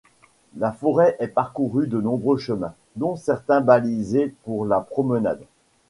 La forêt est parcourue de nombreux chemins, dont certains balisés pour la promenade.